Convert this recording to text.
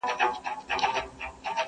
ستا د غېږي یو ارمان مي را پوره کړه,